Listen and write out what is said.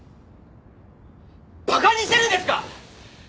バカにしてるんですか！？